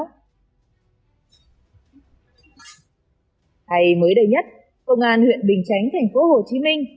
thầy mới đầy nhất công an huyện bình chánh thành phố hồ chí minh